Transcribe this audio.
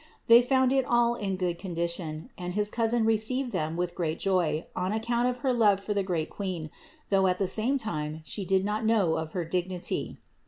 They found it all in good condition and his cousin received Them with great joy on account of her love for the great Queen, though at the same time she did not know of her dignity.